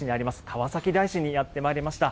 川崎大師にやってまいりました。